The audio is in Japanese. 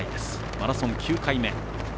マラソン９回目。